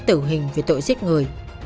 tử hình về tội giết người